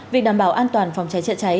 việc đảm bảo an toàn phòng trái trợ trái